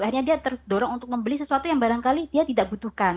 akhirnya dia terdorong untuk membeli sesuatu yang barangkali dia tidak butuhkan